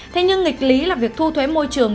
thế nhưng nghịch lý là việc thu thuế môi trường